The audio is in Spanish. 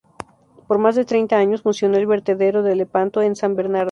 Por más de treinta años funcionó el vertedero de Lepanto, en San Bernardo.